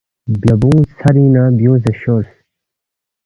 بیابیونگ ژھرینگ نہ بیونگسے شور